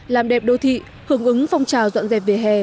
làm đẹp đô thị hưởng ứng phong trào dọn dẹp vệ hè